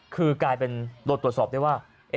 คือกลายเป็นโดนตรวจสอบได้ว่า